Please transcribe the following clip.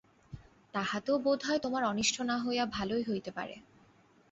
তাহাতেও বোধ হয় তোমার অনিষ্ট না হইয়া ভালোই হইতে পারে।